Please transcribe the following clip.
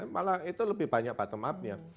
malah itu lebih banyak bottom up nya